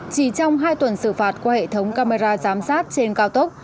chỉ trong hai tuần xử phạt qua hệ thống camera giám sát trên cao tốc